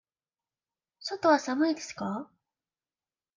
外は寒いですか。